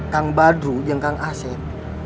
kak badru dan kak aset